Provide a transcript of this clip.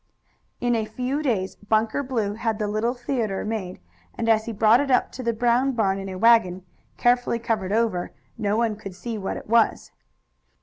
In a few days Bunker Blue had the little theatre made, and as he brought it up to the Brown barn in a wagon, carefully covered over, no one could see what it was.